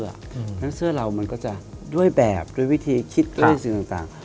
เพราะฉะนั้นเสื้อเรามันก็จะด้วยแบบด้วยวิธีคิดด้วยสิ่งต่าง